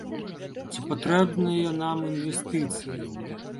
Ці патрэбныя нам інвестыцыі?